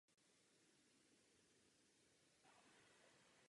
V této souvislosti musím zdůraznit odlišnosti v hygienických normách.